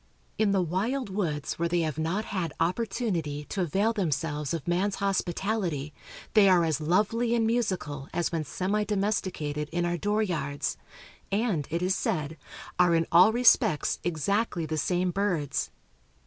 In the wild woods where they have not had opportunity to avail themselves of man's hospitality they are as lovely and musical as when semi domesticated in our door yards, and, it is said, are in all respects exactly the same birds.